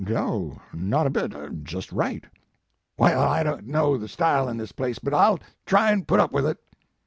"No, not a bit, just right." "Well, I don t know the style in this place, but I ll try an put up with it.